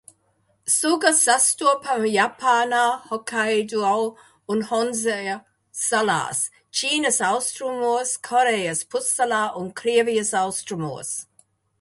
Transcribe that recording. Suga sastopama Japānā Hokaido un Honsju salās, Ķīnas austrumos, Korejas pussalā un Krievijas austrumos.